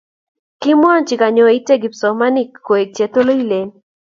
Kimwochi kanyointe kipsomaninik koek che tolilen.